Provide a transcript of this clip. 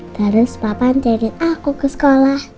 terus papa ntarin aku ke sekolah